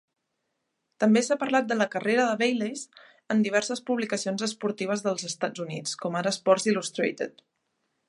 També s'ha parlat de la carrera de Bayless en diverses publicacions esportives dels Estats Units, com ara "Sports Illustrated".